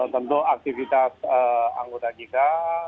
tentu aktivitas anggota gika